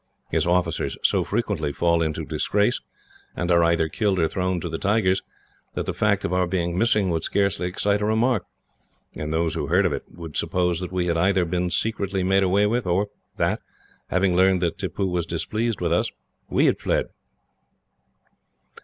His officers so frequently fall into disgrace, and are either killed or thrown to the tigers, that the fact of our being missing would scarce excite a remark, and those who heard of it would suppose that we had either been secretly made away with, or that, having learned that Tippoo was displeased with us, we had fled."